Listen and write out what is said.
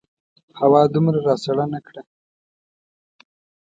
هوا دومره راسړه نه کړه.